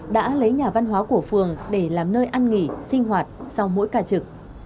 đã lấy nhà văn hóa của phường để làm nơi ăn nghỉ sinh hoạt sau mỗi ca trực